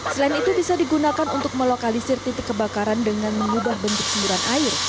selain itu bisa digunakan untuk melokalisir titik kebakaran dengan mengubah bentuk semburan air